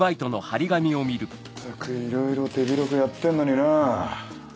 ったくいろいろ手広くやってんのになぁ。